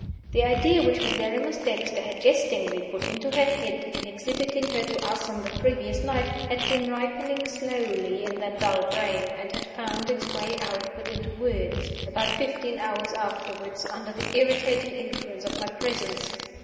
The idea which Miserrimus Dexter had jestingly put into her head, in exhibiting her to us on the previous night, had been ripening slowly in that dull brain, and had found its way outward into words, about fifteen hours afterward, under the irritating influence of my presence!